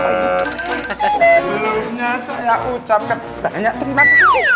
sebelumnya saya ucapkan banyak terima kasih